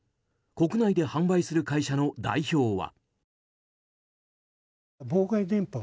国内で販売する会社の代表は。